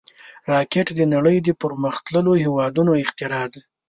راکټ د نړۍ د پرمختللو هېوادونو اختراع ده